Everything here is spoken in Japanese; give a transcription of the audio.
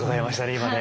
今ね。